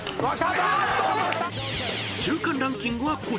［中間ランキングはこちら！］